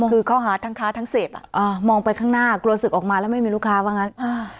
คือเขาหาทั้งค้าทั้งเสพมองไปข้างหน้ากลัวศึกออกมาแล้วไม่มีลูกค้าว่างั้น